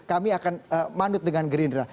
kami akan mandut dengan gerindra